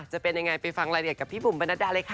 จะเป็นยังไงไปฟังรายละเอียดกับพี่บุ๋มประนัดดาเลยค่ะ